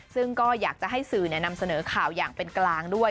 ซึ่งก็อยากจะให้สื่อนำเสนอข่าวอย่างเป็นกลางด้วย